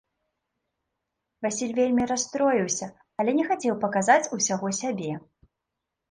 Васіль вельмі расстроіўся, але не хацеў паказаць усяго сябе.